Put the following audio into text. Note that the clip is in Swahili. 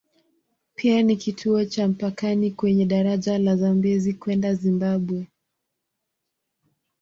Pia ni kituo cha mpakani kwenye daraja la Zambezi kwenda Zimbabwe.